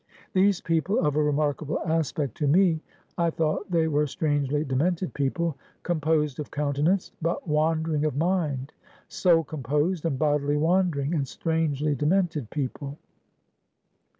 These people of a remarkable aspect to me, I thought they were strangely demented people; composed of countenance, but wandering of mind; soul composed and bodily wandering, and strangely demented people.